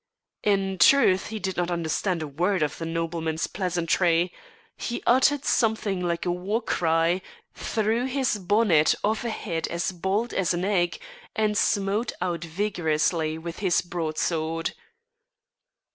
In truth he did not understand a word of the nobleman's pleasantry. He uttered something like a war cry, threw his bonnet off a head as bald as an egg, and smote out vigorously with his broadsword.